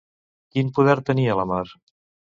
Quin poder tenia la mar?